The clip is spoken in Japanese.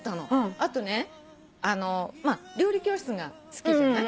あとね料理教室が好きじゃない？